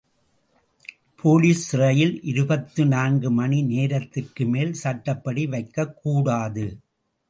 Police சிறையில் இருபத்து நான்கு மணி நேரத்திற்குமேல் சட்டப்படி வைக்கக்கூடாது.